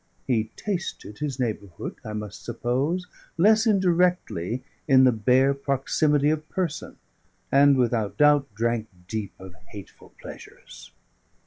He tasted his neighbourhood, I must suppose, less indirectly in the bare proximity of person; and, without doubt, drank deep of hateful pleasures.